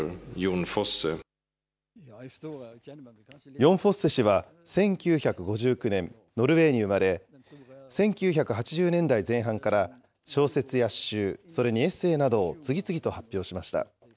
ヨン・フォッセ氏は１９５９年、ノルウェーに生まれ、１９８０年代前半から小説や詩集、それにエッセイなどを次々と発表しました。